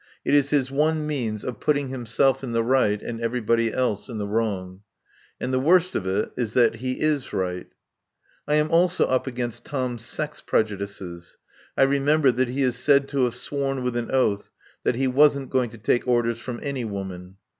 It is his one means of putting himself in the right and everybody else in the wrong. And the worst of it is he is right. I am also up against Tom's sex prejudices. I remember that he is said to have sworn with an oath that he wasn't going to take orders from any woman.